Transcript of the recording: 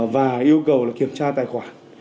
và yêu cầu kiểm tra tài khoản